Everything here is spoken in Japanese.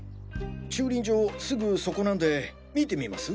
駐輪場すぐそこなんで見てみます？